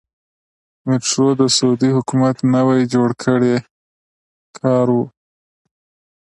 میټرو د سعودي حکومت نوی جوړ کړی کار و.